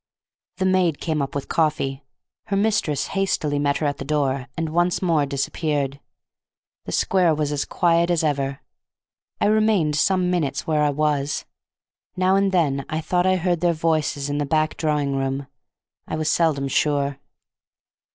The maid came up with coffee, her mistress hastily met her at the door, and once more disappeared. The square was as quiet as ever. I remained some minutes where I was. Now and then I thought I heard their voices in the back drawing room. I was seldom sure.